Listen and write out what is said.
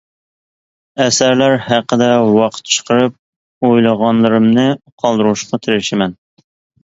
ئەسەرلەر ھەققىدە ۋاقىت چىقىرىپ ئويلىغانلىرىمنى قالدۇرۇشقا تىرىشىمەن.